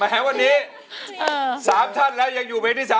วันนี้๓ท่านแล้วยังอยู่เพลงที่๓